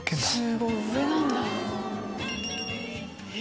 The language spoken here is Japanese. すごい！上なんだ。